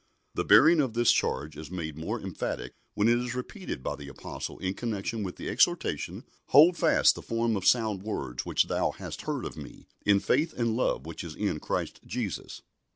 " The bearing of this charge is made more emphatic when it is repeated by the Apostle in connection with the exhortation, "Hold fast the form of sound words, which thou hast heard of me, in faith and love which is in Christ Jesus."